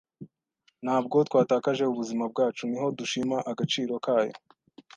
Ntabwo twatakaje ubuzima bwacu niho dushima agaciro kayo.